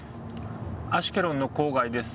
アシュケロンの郊外です。